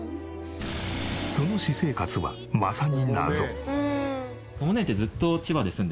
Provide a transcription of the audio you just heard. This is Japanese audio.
その私生活はまさに謎。